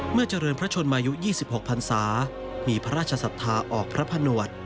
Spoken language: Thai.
เมื่อเจริญพระชนมายุ๒๖พันศามีพระราชสัตว์ธาออกพระพนวรรษ